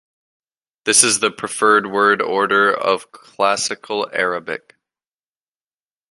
This is the preferred word order of Classical Arabic.